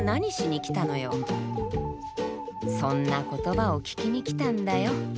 「そんな言葉を聞きに来たんだよ」。